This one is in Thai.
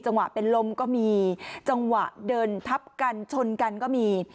เป็นลมก็มีจังหวะเดินทับกันชนกันก็มี